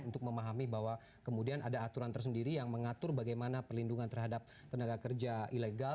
untuk memahami bahwa kemudian ada aturan tersendiri yang mengatur bagaimana perlindungan terhadap tenaga kerja ilegal